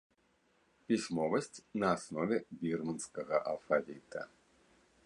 Пісьмовасць на аснове бірманскага алфавіта.